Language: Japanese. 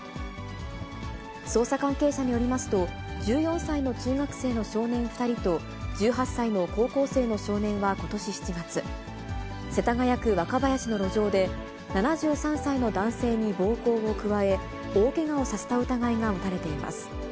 捜査関係者によりますと、１４歳の中学生の少年２人と、１８歳の高校生の少年はことし７月、世田谷区若林の路上で７３歳の男性に暴行を加え、大けがをさせた疑いが持たれています。